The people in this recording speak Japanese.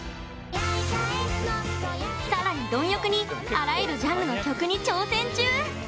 さらに貪欲にあらゆるジャンルの曲に挑戦中！